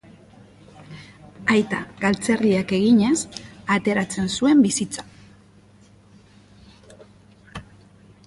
Aita galtzerdiak eginez ateratzen zuen bizitza.